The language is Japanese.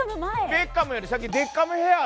ベッカムより先にでっかむヘア？